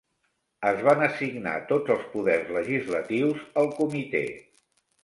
Es van assignar tots els poders legislatius al Comitè.